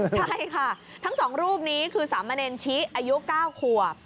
ใช่ค่ะทั้งสองรูปนี้คือสามเณรชิอายุ๙ขวบ